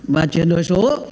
và chuyển đổi số